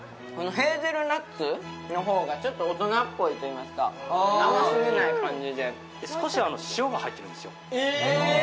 ヘーゼルナッツの方がちょっと大人っぽいといいますか甘すぎない感じで少し塩が入ってるんですよ